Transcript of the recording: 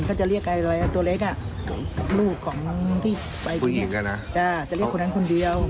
คนอีกล่ะนาโอเคจะเรียกคนันคุณเดียว